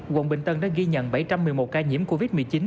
quận bình tân đã ghi nhận bảy trăm một mươi một ca nhiễm covid một mươi chín